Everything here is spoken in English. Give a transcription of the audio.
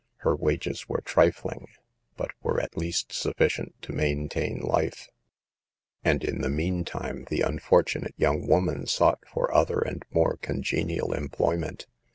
Her wages were tri fling, but were at least sufficient to main tain life, and in the meantime the unfortunate young woman sought for other and more con genial employment.